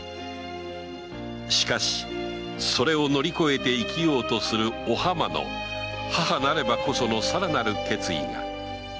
しかしそれを乗りこえて生きようとするお浜の母なればこそのさらなる決意が吉宗に深い感慨を与えた